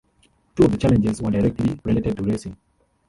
Two of the challenges were directly related to racing.